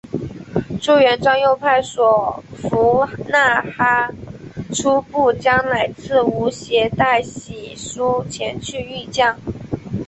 朱元璋又派所俘纳哈出部将乃剌吾携带玺书前去谕降。